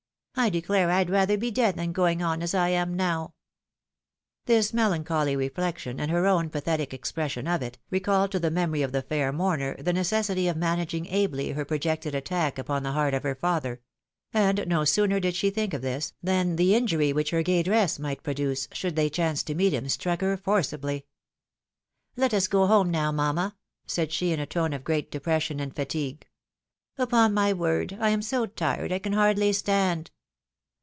I declare I'd rather be dead than going on as I am now !" This melancholy reflection, and her own pathetic expression of it, recalled to the memory of the fair mourner the necessity of managing ably her projected attack upon the heart of her father ; and no sooner did she think of this, than the injury which her gay dress might produce, should they chance to meet him, struck her forcibly. " Let us go home now, mamma," said she, in a tone of great depression and fatigue. " Upon my word I am so tired, I can hardly stand."